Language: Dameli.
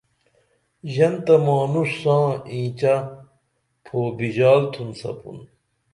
ژنتہ مانوݜ ساں اینچہ پھو بِژال تُھن سپُن